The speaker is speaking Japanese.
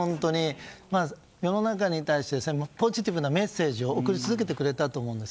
世の中に対してポジティブなメッセージを送り続けてくれたと思うんです。